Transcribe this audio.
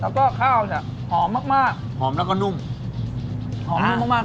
แล้วก็ข้าวเนี้ยหอมมากมากหอมแล้วก็นุ่มหอมนุ่มมากมาก